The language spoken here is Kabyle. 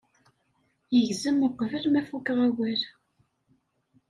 Yegzem uqbel ma fukeɣ awal.